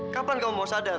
kapan kamu mau sadar